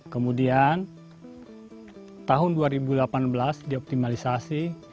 kemudian tahun dua ribu delapan belas dioptimalisasi